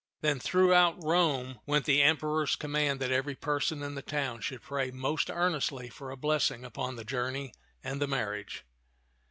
Then throughout Rome went the 58 t^z (^an of aa)i?'0 tak Emperor's command that every person in the town should pray most earnestly for a blessing upon the journey and the marriage.